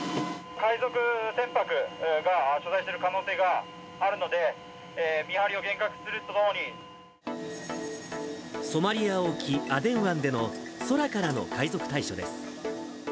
海賊船舶が所在している可能性があるので、ソマリア沖アデン湾での空からの海賊対処です。